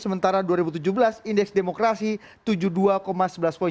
sementara dua ribu tujuh belas indeks demokrasi tujuh puluh dua sebelas poin